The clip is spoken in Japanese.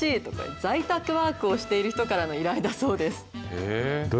在宅ワークをしている人からの依頼だそうです。